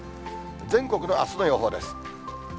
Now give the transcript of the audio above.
全国のあすの予報です。